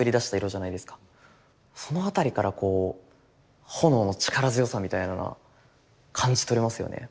その辺りからこう炎の力強さみたいなのは感じ取れますよね。